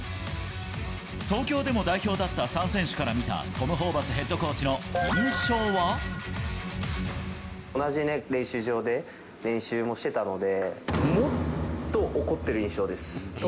東京でも代表だった３選手から見たトム・ホーバスヘッドコーチの同じ練習場で練習もしてたので。